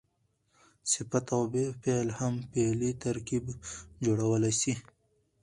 صفت او فعل هم فعلي ترکیب جوړولای سي.